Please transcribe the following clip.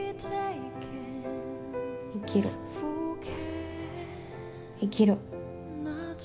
生きろ生きろ。